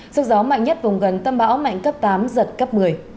sức gió mạnh nhất vùng gần tâm bão mạnh cấp tám giật cấp một mươi